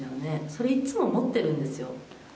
それいっつも持ってるんですよ。